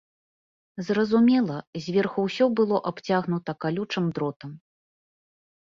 Зразумела, зверху ўсё было абцягнута калючым дротам.